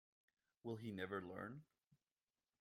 Will he never learn?